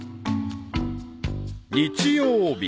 ［日曜日］